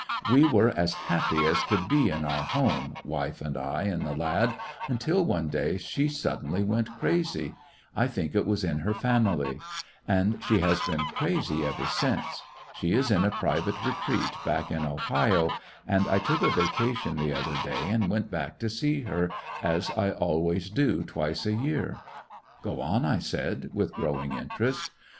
"We were as happy as could be in our home, wife and I and the lad, until one day she suddenly went crazy. I think it was in her family. And she has been crazy ever since. She is in a private retreat back in Ohio, and I took a vacation the other day and went back to see her, as I always do twice a year." "Go on," I said, with growing interest.